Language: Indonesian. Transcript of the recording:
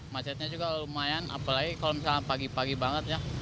macetnya juga lumayan apalagi kalau misalnya pagi pagi banget ya